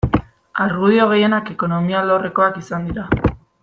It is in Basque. Argudio gehienak ekonomia alorrekoak izan dira.